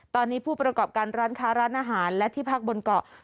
ตอนนี้ผู้ประกอบการร้านค้าร้านอาหารและที่พักบนเกาะ